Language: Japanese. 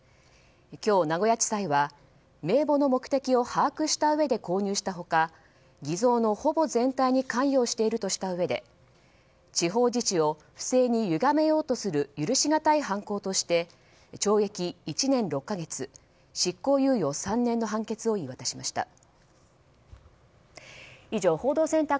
今日、名古屋地裁は名簿の目的を把握したうえで購入した他偽造のほぼ全体に関与しているとしたうえで地方自治を不正にゆがめようとする許しがたい犯行として懲役１年６か月執行猶予３年の判決を言い渡しました。